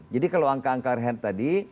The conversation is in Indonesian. jadi kalau angka angka r head tadi